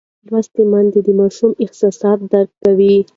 لوستې میندې د ماشوم احساسات درک کوي.